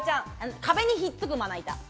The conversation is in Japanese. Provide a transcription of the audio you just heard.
壁にひっつくまな板。